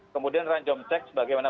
kemudian ranjong cek bagaimana